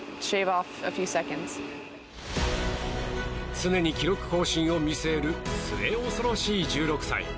常に記録更新を見据える末恐ろしい１６歳。